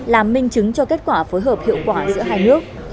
làm minh chứng cho kết quả phối hợp hiệu quả giữa hai nước